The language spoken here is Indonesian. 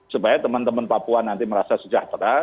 supaya teman teman papua nanti merasa sejahtera